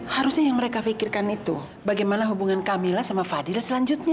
harusnya yang mereka pikirkan itu bagaimana hubungan kamila sama fadil selanjutnya